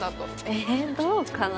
えどうかな？